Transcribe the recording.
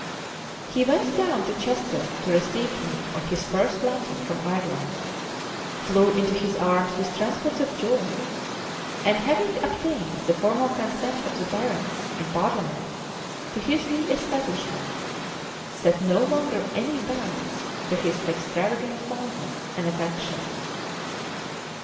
[*] He went down to Chester to receive him on his first landing from Ireland; flew into his arms with transports of joy; and having obtained the formal consent of the barons in parliament to his reëstablishment, set no longer any bounds to his extravagant fondness and affection.